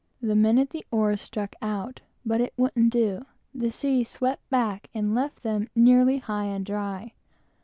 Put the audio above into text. The men at the oars struck out, but it wouldn't do; the sea swept back and left them nearly high and dry.